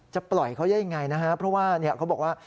จะปล่อยเขาไงนะฮะเพราะว่าเขาบอกว่า